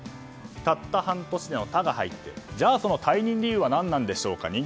たった半年の「タ」が入ってじゃあ、退任理由は何なのでしょうか。